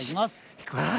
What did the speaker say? いくわ。